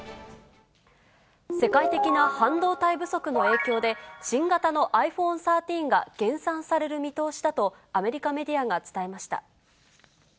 世界的な半導体不足の影響で、新型のｉＰｈｏｎｅ１３が減産される見通しだと、アメリカメディアが伝えました。